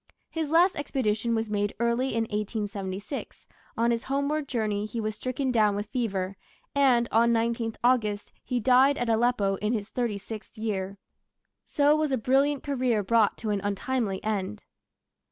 His last expedition was made early in 1876; on his homeward journey he was stricken down with fever, and on 19th August he died at Aleppo in his thirty sixth year. So was a brilliant career brought to an untimely end.